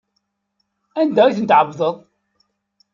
Anda ay ten-tɛebdeḍ?